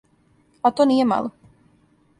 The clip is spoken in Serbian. А то није мало.